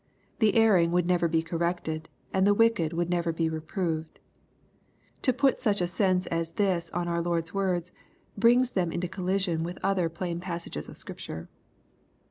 The erring would never be corrected, and the wicked would never be reproved. To put such a sense as this on our Lord's words, brings them into collision with other plain passages of Scripture.